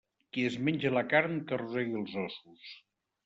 Qui es menja la carn, que rosegui els ossos.